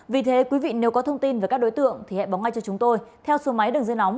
vì thế quý vị nếu có thông tin về các đối tượng thì hãy bóng ngay cho chúng tôi theo số máy đường dây nóng